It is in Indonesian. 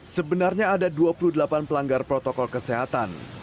sebenarnya ada dua puluh delapan pelanggar protokol kesehatan